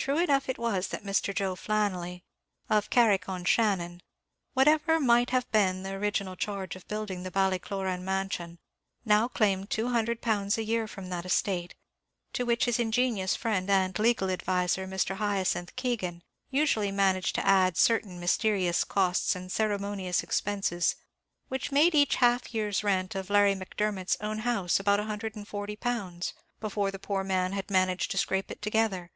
True enough it was, that Mr. Joe Flannelly, of Carrick on Shannon, whatever might have been the original charge of building the Ballycloran mansion, now claimed £200 a year from that estate, to which his ingenious friend and legal adviser, Mr. Hyacinth Keegan usually managed to add certain mysterious costs and ceremonious expenses, which made each half year's rent of Larry Macdermot's own house about £140, before the poor man had managed to scrape it together.